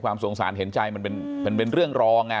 สงสารเห็นใจมันเป็นเรื่องรอง